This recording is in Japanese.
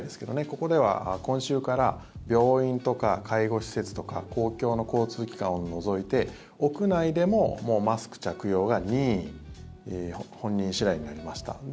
ここでは今週から病院とか介護施設とか公共の交通機関を除いて屋内でもマスク着用が任意に本人次第になりました。